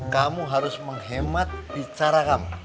kamu harus menghemat bicara kamu